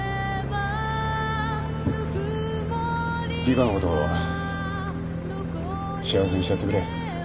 リカのこと幸せにしてやってくれ。